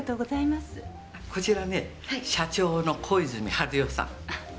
こちらね社長の小泉晴代さん。